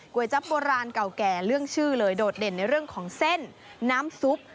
จับโบราณเก่าแก่เรื่องชื่อเลยโดดเด่นในเรื่องของเส้นน้ำซุป